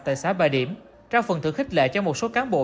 tại xã bà điểm ra phần thử khích lệ cho một số cán bộ